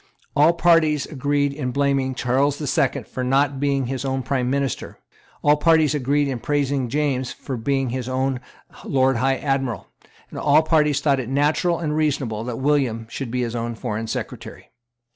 All parties agreed in blaming Charles the Second for not being his own Prime Minister; all parties agreed in praising James for being his own Lord High Admiral; and all parties thought it natural and reasonable that William should be his own Foreign Secretary.